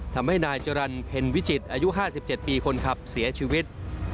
ทำให้นายจรรย์เพ็ญวิจิตรอายุ๕๗ปีคนขับเสียชีวิต